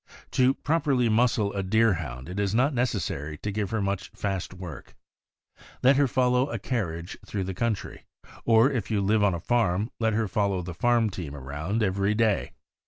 To properly muscle a Deerhound it is not necessary to give her much fast work. Let her follow a carriage through the country, or if you live on a farm, let her fol low the farm team around every day.